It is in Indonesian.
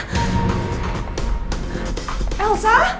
mamahmer terima kasih